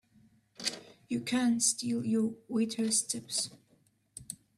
You can't steal your waiters' tips!